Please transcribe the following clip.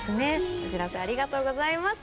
お知らせありがとうございます。